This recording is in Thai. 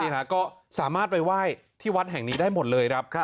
เห็นหรือค่ะสามารถไปไหว้ที่วัดแห่งนี้ได้หมดเลยครับ